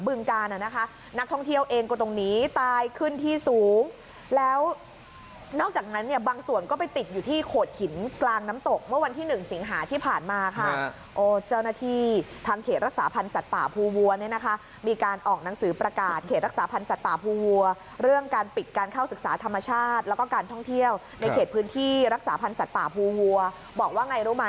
บึงกานเนี่ยตอนนี้น้ำตกทุกแห่งปิดหมดเลยนะที่ภูวั